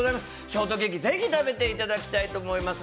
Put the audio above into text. ショートケーキ、ぜひ食べていただきたいと思います。